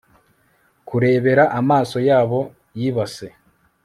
kurebera amaso yabo y'ibase